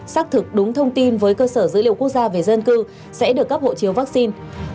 xác thực đúng thông tin với cơ sở dữ liệu quốc gia về dân cư sẽ được cấp hộ chiếu vaccine